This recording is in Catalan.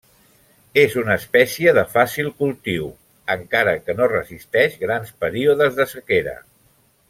És una espècie de fàcil cultiu, encara que no resisteix grans períodes de sequera.